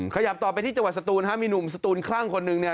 ขยับต่อไปที่จังหวัดสตูนฮะมีหนุ่มสตูนคลั่งคนหนึ่งเนี่ย